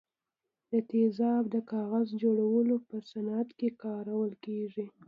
دا تیزاب د کاغذ جوړولو په صنعت کې کارول کیږي.